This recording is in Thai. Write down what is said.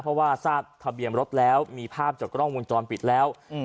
เพราะว่าทะเบียงรถแล้วมีภาพจดกล้องวงจรปิดแล้วอืม